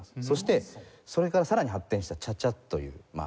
そしてそれからさらに発展したチャチャという。